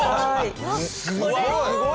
すごい！